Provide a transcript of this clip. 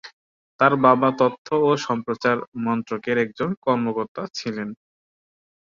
তাঁর বাবা তথ্য ও সম্প্রচার মন্ত্রকের একজন কর্মকর্তা ছিলেন।